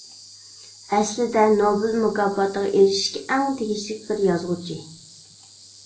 ئەسلىدە نوبېل مۇكاپاتىغا ئېرىشىشكە ئەڭ تېگىشلىك بىر يازغۇچى.